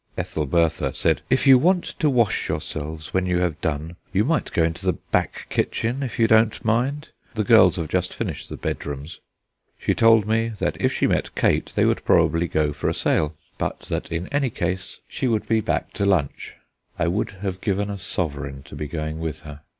Ethelbertha said: "If you want to wash yourselves when you have done you might go into the back kitchen, if you don't mind; the girls have just finished the bedrooms." She told me that if she met Kate they would probably go for a sail; but that in any case she would be back to lunch. I would have given a sovereign to be going with her.